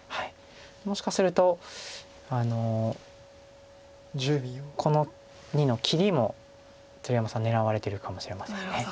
もしかするとこの②の切りも鶴山さん狙われてるかもしれません。